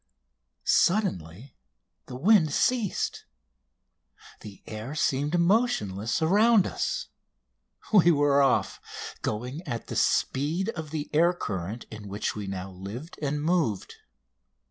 Suddenly the wind ceased. The air seemed motionless around us. We were off, going at the speed of the air current in which we now lived and moved.